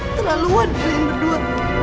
terlalu wan berdua